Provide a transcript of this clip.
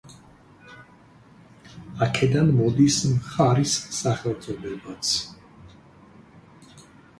აქედან მოდის მხარის სახელწოდებაც.